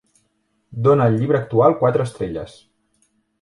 Dóna al llibre actual quatre estrelles